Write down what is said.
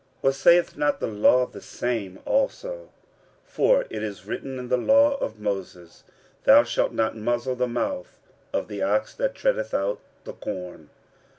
or saith not the law the same also? 46:009:009 For it is written in the law of Moses, Thou shalt not muzzle the mouth of the ox that treadeth out the corn.